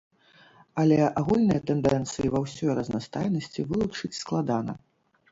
Але агульныя тэндэнцыі ва ўсёй разнастайнасці вылучыць складана.